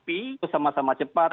itu sama sama cepat